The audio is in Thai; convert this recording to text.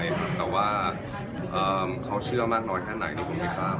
แต่ว่าเขาเชื่อมากน้อยแค่ไหนนี่ผมไม่ทราบ